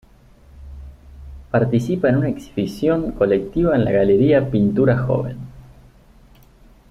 Participa en una exhibición colectiva en la galería Pintura Joven.